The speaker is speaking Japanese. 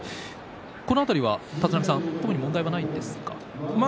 この辺りは、立浪さん特に問題はないんですか？